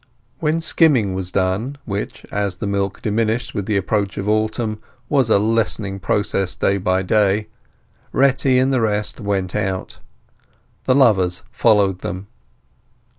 When skimming was done—which, as the milk diminished with the approach of autumn, was a lessening process day by day—Retty and the rest went out. The lovers followed them.